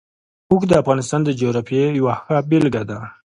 اوښ د افغانستان د جغرافیې یوه ښه بېلګه ده.